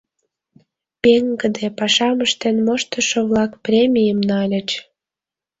Пеҥгыде, пашам ыштен моштышо-влак премийым нальыч.